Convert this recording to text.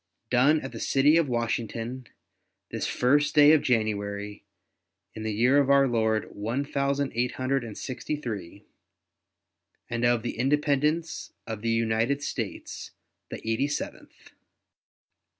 Done at the city of Washington, this first day of January, in the year of our Lord one thousand eight hundred and sixty three, and of the Independence of the United States the eighty seventh.